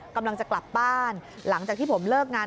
กำลังจะกลับบ้านหลังจากที่ผมเลิกงาน